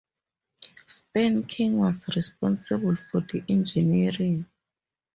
Spen King was responsible for the engineering.